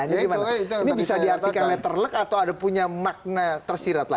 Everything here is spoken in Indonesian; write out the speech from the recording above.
ini bisa diartikan terlek atau ada punya makna tersirat lain